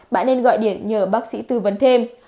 bạn nên gọi điện nhờ bác sĩ tư vấn thêm